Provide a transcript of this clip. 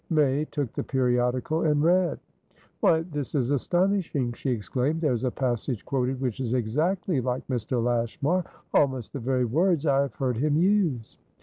May took the periodical, and read. "Why, this is astonishing!" she exclaimed. "There's a passage quoted which is exactly like Mr. Lashmaralmost the very words I have heard him use!"